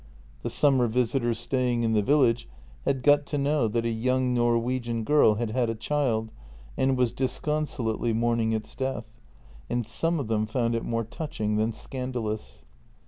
The summer visitors staying in the village had got to know that a young Norwegian girl had had a child and was disconsolately mourning its death, and some of them found it more touching than scandalous.